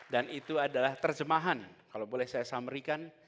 dan itu adalah terjemahan kalau boleh saya samerikan